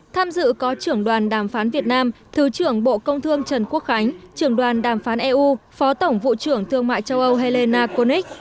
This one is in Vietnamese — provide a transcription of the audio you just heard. tham dự có trưởng đoàn đàm phán việt nam thứ trưởng bộ công thương trần quốc khánh trưởng đoàn đàm phán eu phó tổng vụ trưởng thương mại châu âu helena konic